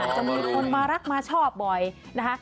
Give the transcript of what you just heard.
จะมีคนมารักมาชอบบ่อยนะคะ